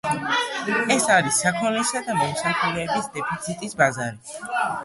ეს არის საქონლისა და მომსახურების დეფიციტის ბაზარი.